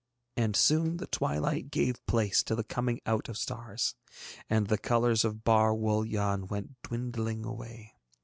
And soon the twilight gave place to the coming out of stars, and the colours of Bar Wul Yann went dwindling away.